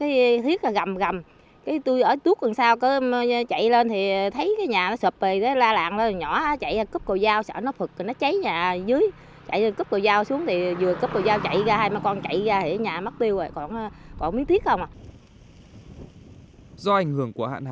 do ảnh hưởng của hạn hán hiện nay các tuyến canh trong vùng ngọt hóa của tỉnh cà mau đều khâu cạn